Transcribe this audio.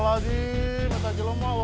aduh aduh aduh